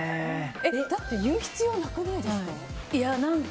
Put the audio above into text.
だって言う必要なくないですか？